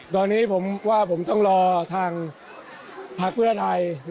ตอนนี้ผมว่าผมต้องรอทางพักเพื่อไทย